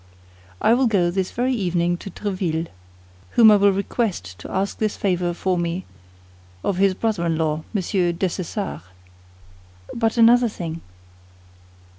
"I will go this very evening to Tréville, whom I will request to ask this favor for me of his brother in law, Monsieur Dessessart." "But another thing."